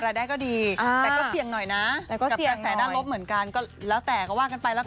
รายได้ก็ดีแต่ก็เสี่ยงหน่อยนะแต่ก็กระแสด้านลบเหมือนกันก็แล้วแต่ก็ว่ากันไปแล้วกัน